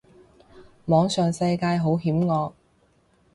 網上世界好險惡